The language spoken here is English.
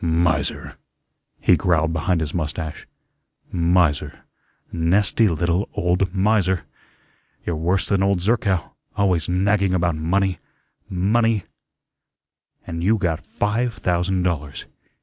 "Miser," he growled behind his mustache. "Miser, nasty little old miser. You're worse than old Zerkow, always nagging about money, money, and you got five thousand dollars.